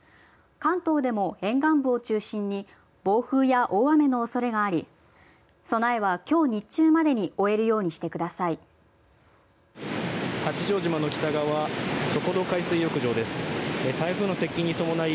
関東でも沿岸部を中心に暴風や大雨のおそれがあり備えは、きょう日中までに終えるようにしてください。